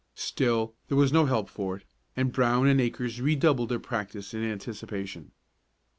Still there was no help for it, and Brown and Akers redoubled their practice in anticipation.